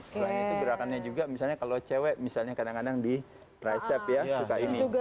selain itu gerakannya juga misalnya kalau cewek misalnya kadang kadang di ricep ya suka ini